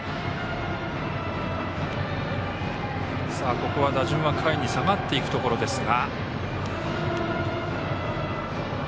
ここは打順は下位に下がっていくところですが。